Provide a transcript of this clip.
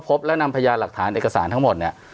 พบและนำพยานหลักฐานเอกสารทั้งหมดเนี่ย